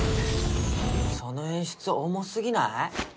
その演出重すぎない？